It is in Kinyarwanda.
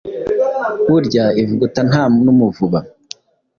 Burya ivuguta nta n' umuvuba